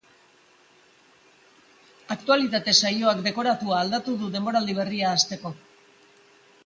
Aktualitate saioak dekoratua aldatu du denboraldi berria hasteko.